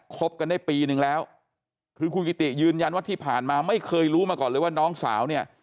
บกันได้ปีนึงแล้วคือคุณกิติยืนยันว่าที่ผ่านมาไม่เคยรู้มาก่อนเลยว่าน้องสาวเนี่ย